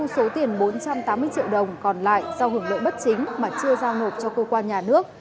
số tiền bốn trăm tám mươi triệu đồng còn lại do hưởng lợi bất chính mà chưa giao nộp cho cơ quan nhà nước